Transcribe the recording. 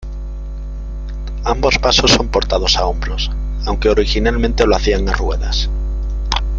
Ambos pasos son portados a hombros aunque originalmente lo hacían a ruedas.